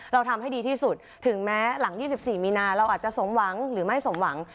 เราทำให้ดีที่สุดถึงแม้หลัง๒๔มีนาเราอาจจะสมหวังหรือไม่สมหวัง